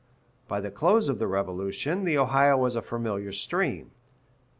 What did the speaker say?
By the close of the Revolution, the Ohio was a familiar stream.